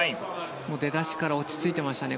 出だしから落ち着いていましたね。